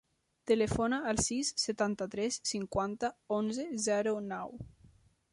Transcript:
Telefona al sis, setanta-tres, cinquanta, onze, zero, nou.